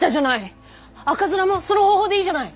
赤面もその方法でいいじゃない！